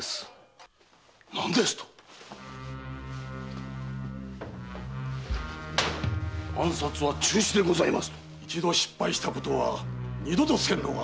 何ですと⁉暗殺は中止でございますと⁉一度失敗したことは二度とせぬのがあの方のご気性だ。